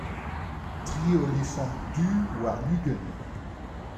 tri olifant du warn-ugent.